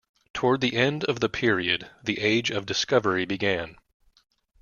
Toward the end of the period, the Age of Discovery began.